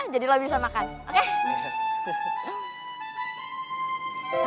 jadi lo bisa makan oke